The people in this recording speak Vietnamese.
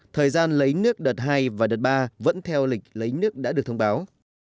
thời gian lấy nước đợt hai và đợt ba vẫn theo lịch lấy nước đã được thông báo